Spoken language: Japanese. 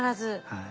はい。